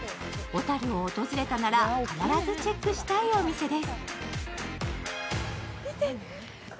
訪れたら必ずチェックしたいお店です。